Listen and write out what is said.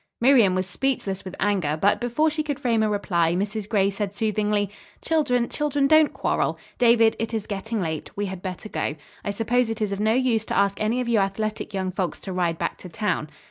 Miriam was speechless with anger, but before she could frame a reply, Mrs. Gray said soothingly "Children, children don't quarrel. David, it is getting late. We had better go. I suppose it is of no use to ask any of you athletic young folks to ride back to town."